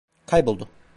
Kayboldu.